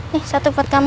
nih satu buat kamu